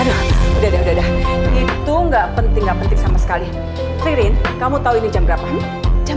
udah deh itu enggak penting nggak penting sama sekali ririn kamu tahu ini jam berapa jam